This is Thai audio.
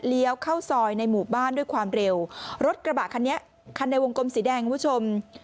เข้าซอยในหมู่บ้านด้วยความเร็วรถกระบะคันนี้คันในวงกลมสีแดงคุณผู้ชม